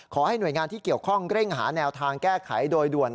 ขอให้หน่วยงานที่เกี่ยวข้องเร่งหาแนวทางแก้ไขโดยด่วน